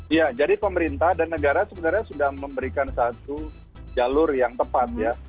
iya jadi pemerintah dan negara sebenarnya sudah memberikan satu jalur yang tepat ya